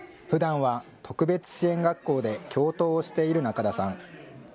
ふだんは特別支援学校で教頭をしている中田さん。